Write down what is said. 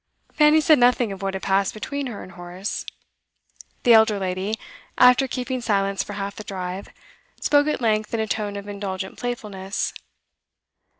Fanny said nothing of what had passed between her and Horace. The elder lady, after keeping silence for half the drive, spoke at length in a tone of indulgent playfulness.